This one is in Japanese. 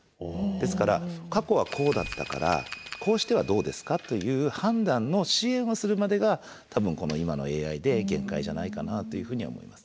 ですから「過去はこうだったからこうしてはどうですか？」という判断の支援をするまでが多分この今のＡＩで限界じゃないかなというふうには思います。